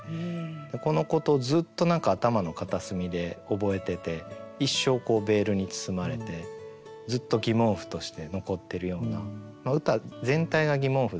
このことをずっと何か頭の片隅で覚えてて一生ベールに包まれてずっと疑問符として残ってるような歌全体が疑問符でできてる。